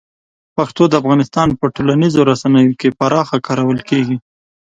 پښتو د افغانستان په ټولنیزو رسنیو کې پراخه کارول کېږي.